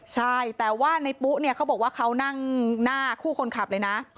ใช่แต่ว่าในปุ๊เนี่ยเขาบอกว่าเขานั่งหน้าคู่คนขับเลยนะ